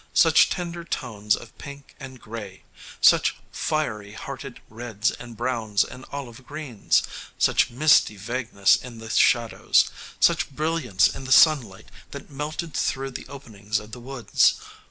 Such tender tones of pink and gray! such fiery hearted reds and browns and olive greens! such misty vagueness in the shadows! such brilliance in the sunlight that melted through the openings of the woods!